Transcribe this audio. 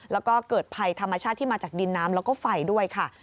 แล้วก็เกิดภัยธรรมชาติที่มาจากดินน้ำแล้วก็ไฟด้วยค่ะ